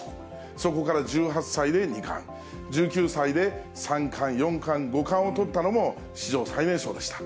そこから１８歳で二冠、１９歳で三冠、四冠、五冠を取ったのも、史上最年少でした。